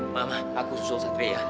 mama aku susul satria